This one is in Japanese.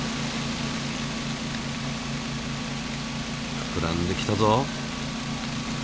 ふくらんできたぞ！